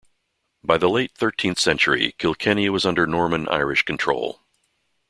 By the late thirteenth century Kilkenny was under Norman-Irish control.